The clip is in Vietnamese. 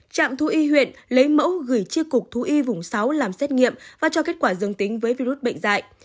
trạm thú y huyện lấy mẫu gửi chia cục thú y vùng sáu làm xét nghiệm và cho kết quả dương tính với virus bệnh dại